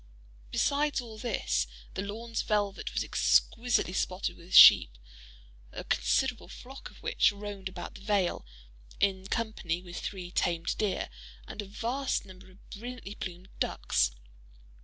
Besides all this, the lawn's velvet was exquisitely spotted with sheep—a considerable flock of which roamed about the vale, in company with three tamed deer, and a vast number of brilliantly plumed ducks.